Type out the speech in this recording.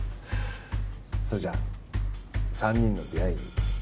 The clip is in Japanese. それじゃあ三人の出会いに。